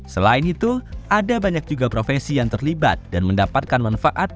selain itu ada banyak juga profesi yang terlibat dan mendapatkan manfaat